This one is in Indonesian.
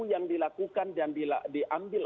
yang dilakukan dan diambil